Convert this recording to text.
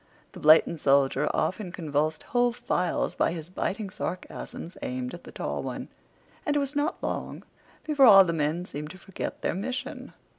The blatant soldier often convulsed whole files by his biting sarcasms aimed at the tall one. And it was not long before all the men seemed to forget their mission.